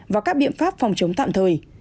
và các biện pháp phòng chống tạm thời